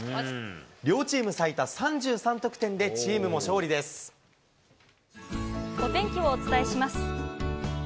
両チーム最多３３得点で、チームお天気をお伝えします。